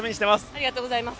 ありがとうございます。